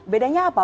bedanya apa pak